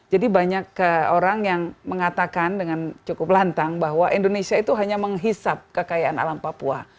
jadi banyak orang yang mengatakan dengan cukup lantang bahwa indonesia itu hanya menghisap kekayaan alam papua